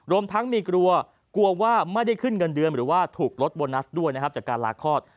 รวมทั้งมีกลัวกลัวว่าไม่ได้ขึ้นเงินเดือนหรือว่าถูกลดโบนัสด้วยนะครับจากการลาคลอด